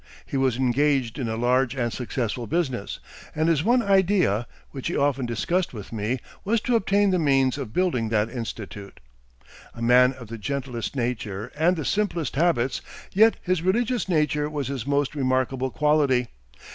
He was engaged in a large and successful business, and his one idea which he often discussed with me was to obtain the means of building that institute. A man of the gentlest nature and the simplest habits; yet his religious nature was his most remarkable quality.